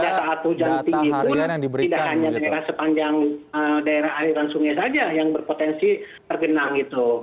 karena pada saat hujan tinggi pun tidak hanya daerah sepanjang daerah airan sungai saja yang berpotensi tergenang